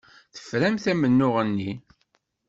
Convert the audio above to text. Teframt amennuɣ-nni.